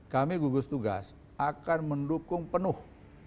kami gugus tugas akan mendukung penuh